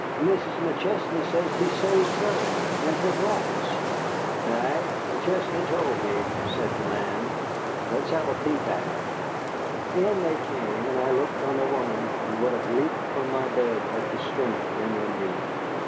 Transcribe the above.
Mrs. McChesney says he saved her and her brats." "Ay, McChesney told me," said the man. "Let's have a peep at him." In they came, and I looked on the woman, and would have leaped from my bed had the strength been in me.